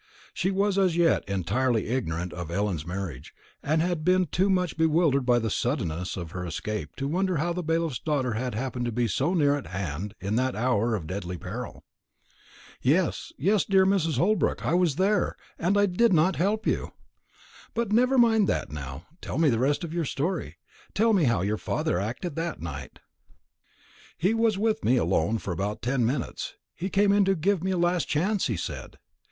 She was, as yet, entirely ignorant of Ellen's marriage, and had been too much bewildered by the suddenness of her escape to wonder how the bailiff's daughter had happened to be so near at hand in that hour of deadly peril. "Yes, yes, dear Mrs. Holbrook; I was there, and I did not help you. But never mind that now; tell me the rest of your story; tell me how your father acted that night." "He was with me alone for about ten minutes; he came to give me a last chance, he said.